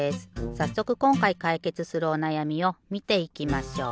さっそくこんかいかいけつするおなやみをみていきましょう。